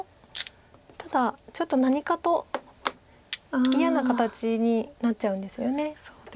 ただちょっと何かと嫌な形になっちゃうんですよね。